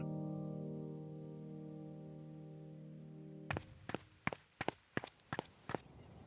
kupikir kita harus memilih kesuksesan